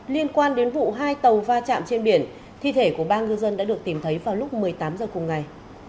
liên quan đến vụ hai tàu va chạm trên biển thi thể của ba ngư dân đã được tìm thấy vào lúc một mươi tám h cùng ngày